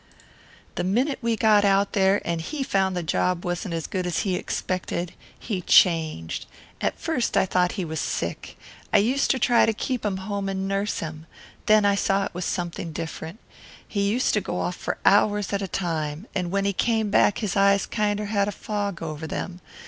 "The minute we got out there, and he found the job wasn't as good as he expected, he changed. At first I thought he was sick I used to try to keep him home and nurse him. Then I saw it was something different. He used to go off for hours at a time, and when he came back his eyes kinder had a fog over them.